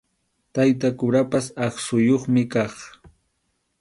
Tayta kurapas aqsuyuqmi kaq.